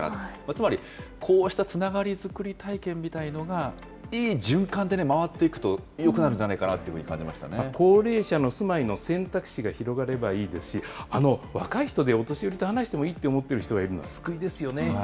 つまり、こうしたつながり作り体験みたいのが、いい循環で回っていくとよくなるんじゃないかなと高齢者の住まいの選択肢が広がればいいですし、若い人でお年寄りと話してもいいって思ってる人がいるのは救いですよね。